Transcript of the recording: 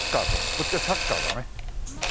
こっちはサッカーだね。